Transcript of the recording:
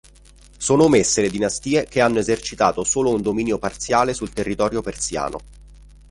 Sono omesse le dinastie che hanno esercitato solo un dominio parziale sul territorio persiano.